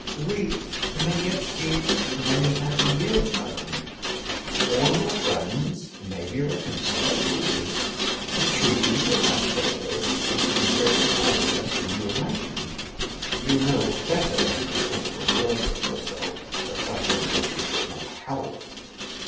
We may yet see many happy years, Madam. All your friends may be reconciled to you. The treaty for that purpose is in greater forwardness than you imagine. You know better than to think the worse of yourself for suffering what you could not help.